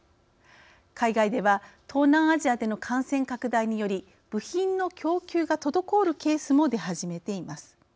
海外では東南アジアでの感染拡大により部品の供給が滞るケースも出始めています。